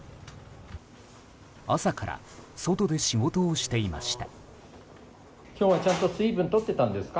朝から外で仕事をしていました。